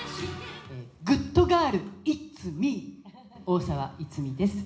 グッドガール・イッツミー、大沢逸美です。